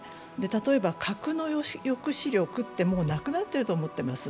例えば、核の抑止力って、もうなくなってると思ってます。